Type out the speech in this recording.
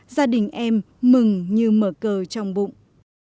gia đình em mừng như mở cờ trong bụng